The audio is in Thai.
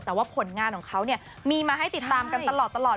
แต่ว่าผลงานของเขาเนี่ยมีมาให้ติดตามกันตลอด